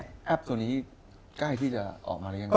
แอปตัวนี้ใกล้ที่จะออกมาหรือยังไ